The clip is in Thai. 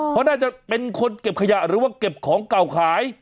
เพราะน่าจะเป็นคนเก็บขยะหรือว่าเก็บของเก่าขาย